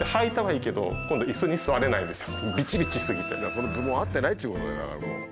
そのズボン合ってないっちゅうことだよだからもう。